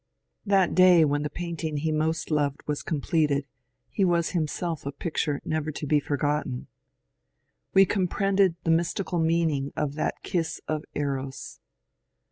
That day when tbe painting be most loved was completed, be was himself a picture never to be forgotten. We comprehended tbe mystical meaning of that kiss of Eros.